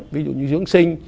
ví dụ như dưỡng sinh